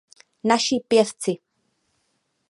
Naši pěvci.